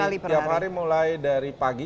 setiap hari mulai dari pagi